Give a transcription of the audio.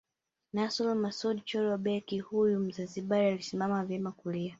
Nassor Masoud Chollo Beki huyu Mzanzibari alisimama vyema kulia